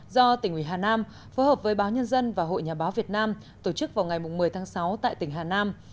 do tỉnh ủy hà nam phối hợp với báo nhân dân và hội nhà báo việt nam tổ chức vào ngày một mươi tháng sáu tại tỉnh hà nam